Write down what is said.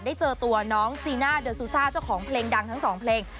ได้เจอตัวน้องจีน่าเดอร์ซูซ่าเจ้าของเพลงดังทั้งสองเพลง